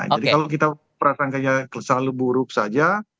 jadi kalau kita perasangannya selalu buruk saja